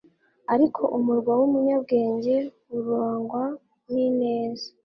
ariko umunwa w'umunyabwenge urangwa n'ineza